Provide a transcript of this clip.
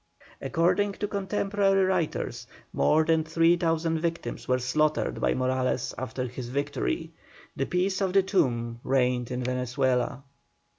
According to contemporary writers more than 3,000 victims were slaughtered by Morales after his victory. The peace of the tomb reigned in Venezuela.